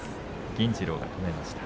銀治郎が止めました。